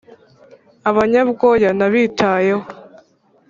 abanyabwoya ntabitayeho